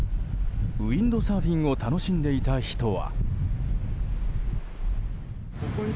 ウィンドサーフィンを楽しんでいた人は。